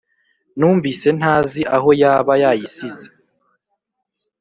Numvise ntazi ahoy aba yayisize